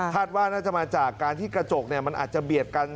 ว่าน่าจะมาจากการที่กระจกมันอาจจะเบียดกัน